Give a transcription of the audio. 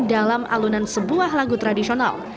dalam alunan sebuah lagu tradisional